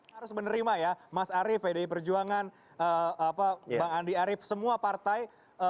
harus menerima ya mas arief pdi perjuangan bang andi arief semua partai